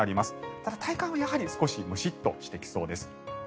ただ、体感はやはり少しムシッとしてきそうです。